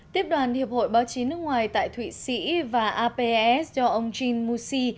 tiếp đoàn hiệp hội báo chí nước ngoài tại thụy sĩ và aps do ông jean moussi